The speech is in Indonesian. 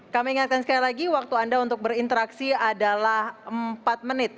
kami ingatkan sekali lagi waktu anda untuk berinteraksi adalah empat menit